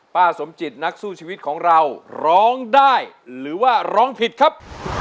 สมจิตนักสู้ชีวิตของเราร้องได้หรือว่าร้องผิดครับ